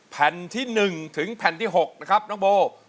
แผ่นที่๑ถึงแผ่นที่๖นะครับน้องโบ